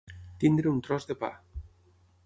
Tenir un tros de pa.